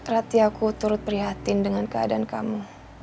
rati aku turut prihatin dengan keadaan kamu